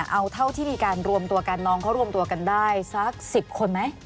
เอาเท่าที่มีการรวมตัวกันน้องเขารวมตัวกันได้สัก๑๐คนไหม